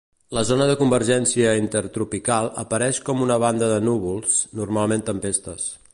La zona de convergència intertropical apareix com una banda de núvols, normalment tempestes.